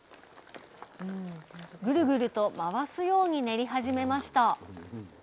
ぐるぐると回すように練り始めました。